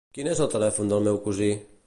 Quin és el telèfon del meu cosí?